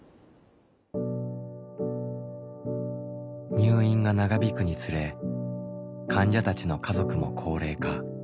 入院が長引くにつれ患者たちの家族も高齢化。